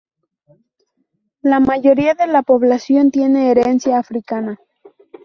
La mayoría de la población tiene herencia africana.